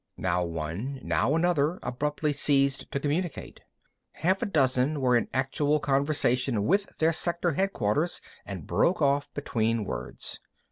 Now one, now another abruptly ceased to communicate. Half a dozen were in actual conversation with their sector headquarters, and broke off between words.